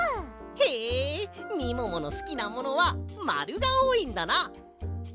へえみもものすきなものはまるがおおいんだな。